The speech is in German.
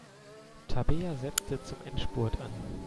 Tabea setzte zum Endspurt an.